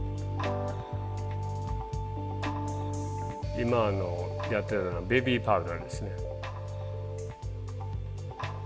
今やってるのはベビーパウダーですね。